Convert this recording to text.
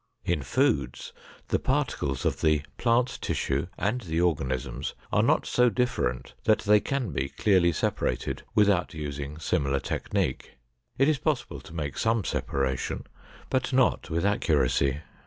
In foods the particles of the plant tissue and the organisms are not so different that they can be clearly separated without using similar technique. It is possible to make some separation, but not with accuracy.